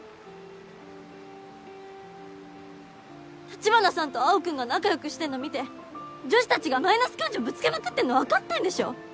橘さんと青君が仲良くしてんの見て女子たちがマイナス感情ぶつけまくってんの分かってんでしょ？